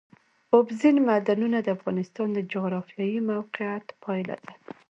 اوبزین معدنونه د افغانستان د جغرافیایي موقیعت پایله ده.